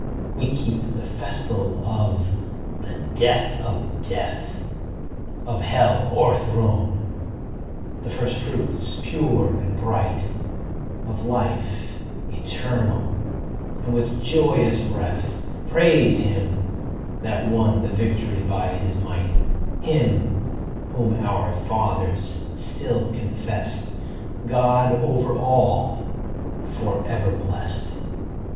r 3 We keep the festal of the death of death : Of hell o'erthrown : the first fruits pure and bright Of life eternal ; and with joyous breath Praise Him that won the victory by His might ; Him whom our fathers still confest God over all, forever blest.